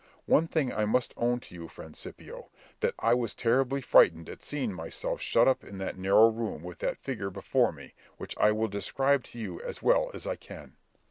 One thing I must own to you, friend Scipio, that I was terribly frightened at seeing myself shut up in that narrow room with that figure before me, which I will describe to you as well as I can.